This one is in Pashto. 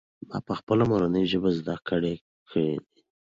ما پخپله مورنۍ ژبه زده کړه کړې ده.